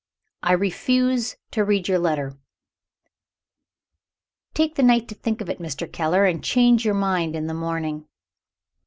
"I refuse to read your letter." "Take the night to think of it, Mr. Keller, and change your mind in the morning."